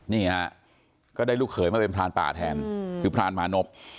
นี่ฮะก็ได้ลูกเขยมาเป็นพรานป่าแทนคือพรานหมานพ